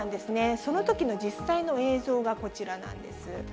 そのときの実際の映像がこちらなんです。